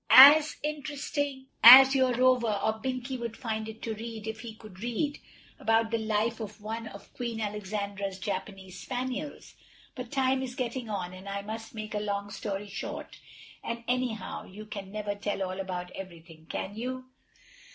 As interesting as your Rover or Binkie would find it to read—if he could read—about the life of one of Queen Alexandra's Japanese Spaniels. But time is getting on, and I must make a long story short. And anyhow you can never tell all about everything, can you?